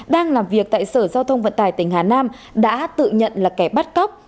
đang làm việc tại sở giao thông vận tải tỉnh hà nam đã tự nhận là kẻ bắt cóc